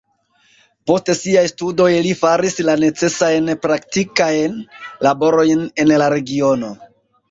Post siaj studoj li faris la necesajn praktikajn laborojn en la regiono.